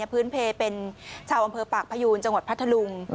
พื้นเพลเป็นชาวอำเภอปากพยูนจังหวัดพัทธลุง